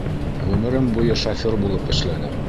Ғүмерем буйы шофер булып эшләнем.